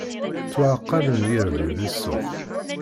Ttwaɛqalen yirden di ssuq!